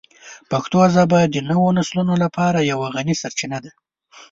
پښتو ژبه د نوو نسلونو لپاره یوه غني سرچینه ده.